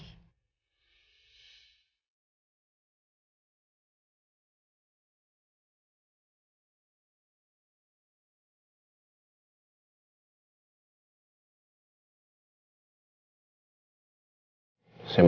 aku mau ke kamar menunggu